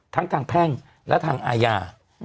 ทั้งทางแพ่งและทางอาญา